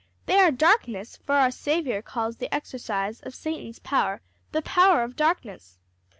They are darkness, for our Saviour calls the exercise of Satan's power 'the power of darkness.'